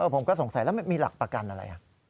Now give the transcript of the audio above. ผมก็สงสัยแล้วมีหลักประกันอะไร